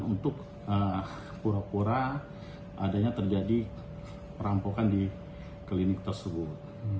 untuk pura pura adanya terjadi perampokan di klinik tersebut